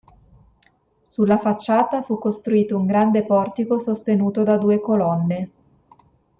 Sulla facciata fu costruito un grande portico sostenuto da due colonne.